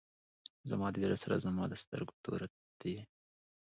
زما د زړه سره زما د سترګو توره ته یې.